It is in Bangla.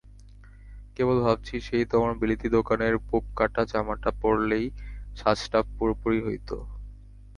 কেবল ভাবছি সেই তোমার বিলিতি দোকানের বুক-কাটা জামাটা পরলেই সাজটা পুরোপুরি হত।